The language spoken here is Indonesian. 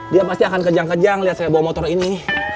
dia pasti akan kejang kejang lihat saya bawa motor ini